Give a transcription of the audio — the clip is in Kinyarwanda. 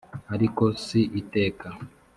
ariko si iteka